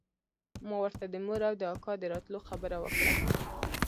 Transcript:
ما ورته د مور او د اکا د راتلو خبره وکړه.